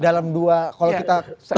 dalam dua kalau kita